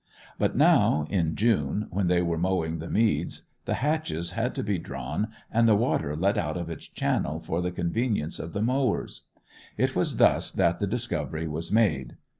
But now, in June, when they were mowing the meads, the hatches had to be drawn and the water let out of its channels for the convenience of the mowers. It was thus that the discovery was made.